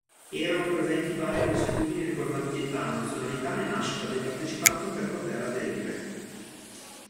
Erano presenti varie consuetudini riguardanti età, nazionalità e nascita dei partecipanti per poter aderire.